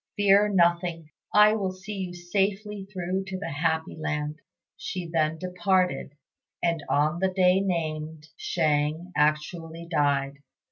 Fear nothing; I will see you safely through to the happy land." She then departed, and on the day named Shang actually died.